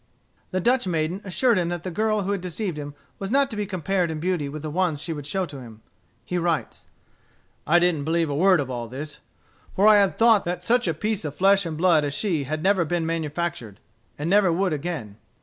The Dutch maiden assured him that the girl who had deceived him was not to be compared in beauty with the one she would show to him. He writes: "I didn't believe a word of all this, for I had thought that such a piece of flesh and blood as she had never been manufactured, and never would again.